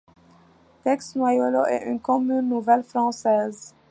Theix-Noyalo est une commune nouvelle française.